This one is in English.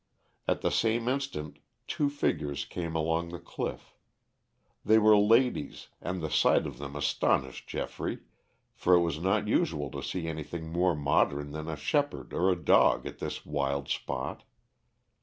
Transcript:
At the same instant two figures came along the cliff. They were ladies and the sight of them astonished Geoffrey, for it was not usual to see anything more modern than a shepherd or a dog at this wild spot.